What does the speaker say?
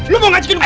lu mau ngajakin gua